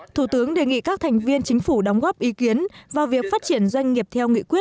thủ tướng đề nghị các thành viên chính phủ đóng góp ý kiến vào việc phát triển doanh nghiệp theo nghị quyết ba mươi năm